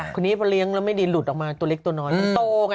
คนนี้พอเลี้ยงแล้วไม่ดีหลุดออกมาตัวเล็กตัวน้อยมันโตไง